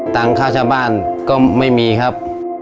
ตังค์ค่าชะบ้านก็ไม่มีครับ